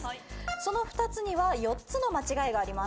その２つには４つの間違いがあります。